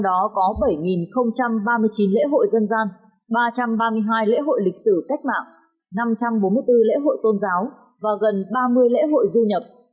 trong đó có bảy ba mươi chín lễ hội dân gian ba trăm ba mươi hai lễ hội lịch sử cách mạng năm trăm bốn mươi bốn lễ hội tôn giáo và gần ba mươi lễ hội du nhập